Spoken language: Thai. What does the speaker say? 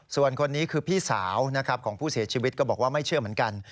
ส่วนคนนี้คือพี่สาวนะครับของผู้เสียชีวิตก็บอกว่าไม่เชื่อเหมือนกัน